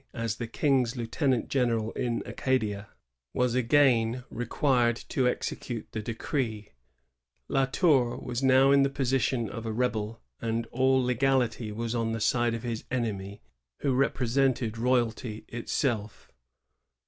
1648.] LA TOUK ASKS AID OF BOSTON. 19 ajB the King's lieutenant general in Acadia, was again required to execute the decree.* La Tour was now in the position of a rebel, and all legality was on the side of his enemy, who represented royalty itself.